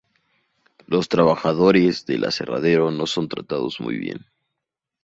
Los trabajadores del aserradero no son tratados muy bien.